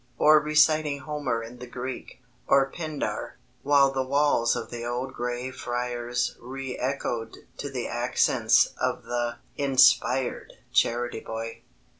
or reciting Homer in the Greek, or Pindar while the walls of the old Grey Friars re echoed to the accents of the _inspired charity boy!